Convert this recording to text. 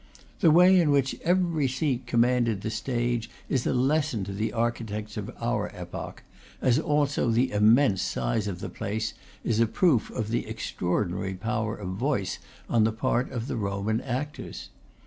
The way in which every seat commanded the stage is a lesson to the architects of our epoch, as also the immense size of the place is a proof of extraordinary power of voice on the part of the Roman actors.